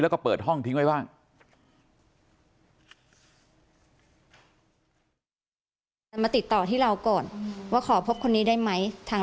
แล้วก็เปิดห้องทิ้งไว้บ้าง